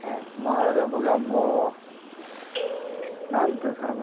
あれで僕はもう何て言うんですかね